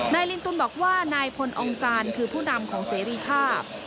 ลินตุลบอกว่านายพลองซานคือผู้นำของเสรีภาพ